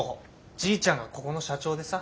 じいちゃんがここの社長でさ。